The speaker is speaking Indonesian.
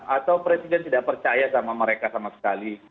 atau presiden tidak percaya sama mereka sama sekali